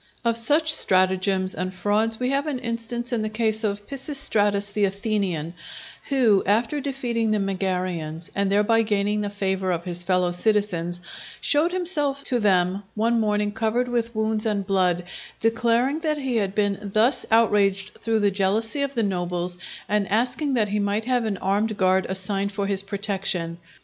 Of such stratagems and frauds we have an instance in the case of Pisistratus the Athenian, who after defeating the Megarians and thereby gaining the favour of his fellow citizens, showed himself to them one morning covered with wounds and blood, declaring that he had been thus outraged through the jealousy of the nobles, and asking that he might have an armed guard assigned for his protection.